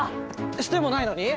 してもないのに？